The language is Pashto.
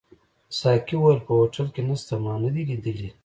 ساقي وویل: په هوټل کي نشته، ما نه دي لیدلي.